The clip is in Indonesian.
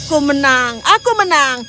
aku menang aku menang